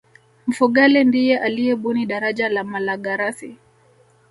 mfugale ndiye aliyebuni daraja la malagarasi